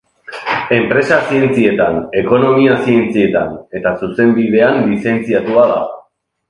Enpresa Zientzietan, Ekonomia Zientzietan eta Zuzenbidean lizentziatua da.